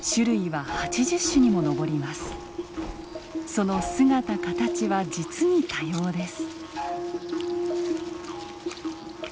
その姿形は実に多様です。